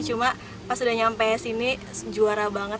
cuma pas sudah sampai sini view nya juara banget